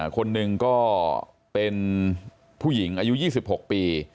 คนหนึ่งก็เป็นผู้หญิงอายุ๒๖ปี